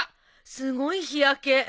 すごい日焼け。